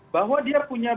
bahwa dia punya